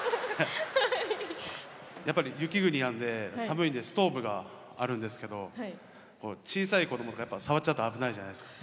やっぱり雪国なんで寒いんでストーブがあるんですけど小さい子供とかやっぱ触っちゃうと危ないじゃないですか。